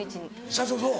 社長どう？